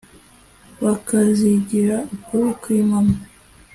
bakazigira ukuri kw’impamo